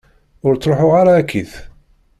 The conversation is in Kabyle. Ur truḥuɣ ara akkit.